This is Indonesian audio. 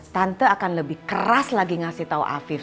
tante akan lebih keras lagi ngasih tahu afif